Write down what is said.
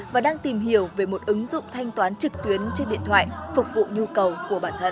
và đang tìm hiểu về một ứng dụng thanh toán trực tuyến trên điện thoại phục vụ nhu cầu của bản thân